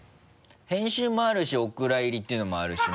編集もあるしお蔵入りっていうのもあるし